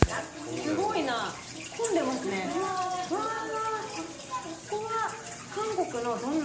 すごいな混んでますねわぁ。